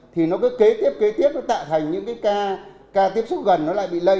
thì nó cứ kế tiếp kế tiếp nó tạo thành những cái ca tiếp xúc gần nó lại bị lây